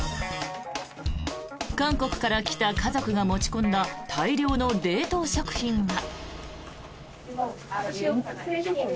韓国から来た家族が持ち込んだ大量の冷凍食品は。